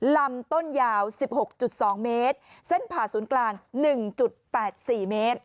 ลำต้นยาวสิบหกจุดสองเมตรเส้นผ่าศูนย์กลางหนึ่งจุดแปดสี่เมตร